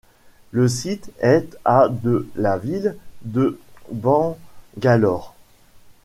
Le site est à de la ville de Bangalore.